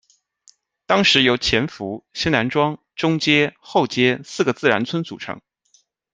当时由前伏、西南庄、中街、后街四个自然村组成。